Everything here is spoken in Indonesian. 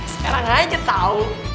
sekarang aja tau